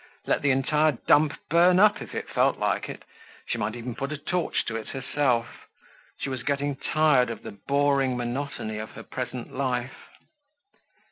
Let the entire dump burn up if it felt like it. She might even put a torch to it herself. She was getting tired of the boring monotony of her present life.